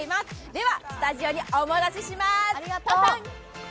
ではスタジオにお戻ししまーす。